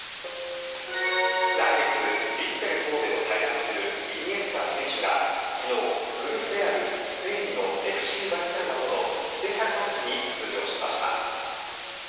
来月ヴィッセル神戸を退団するイニエスタ選手が昨日、古巣であるスペインのＦＣバルセロナとのスペシャルマッチに出場しました。